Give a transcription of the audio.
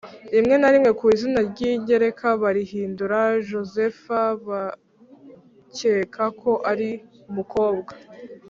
rimwe na rimwe ku izina ry ingereka barihindura Josepha bakeka ko ari umukobwa